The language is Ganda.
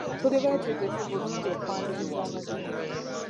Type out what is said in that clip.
Tuli betegefu bulungi okwaniriza abagenyi.